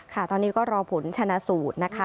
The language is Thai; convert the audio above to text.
ค่ะตอนนี้ก็รอผลชนะสูตรนะคะ